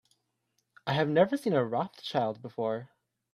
I have never seen a Rothschild before.